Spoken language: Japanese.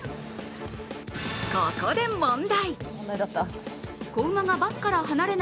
ここで問題。